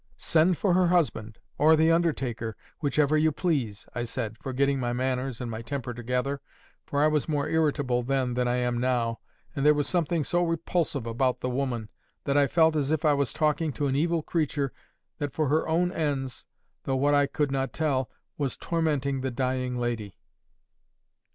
Send for her husband, or the undertaker, whichever you please,' I said, forgetting my manners and my temper together, for I was more irritable then than I am now, and there was something so repulsive about the woman, that I felt as if I was talking to an evil creature that for her own ends, though what I could not tell, was tormenting the dying lady.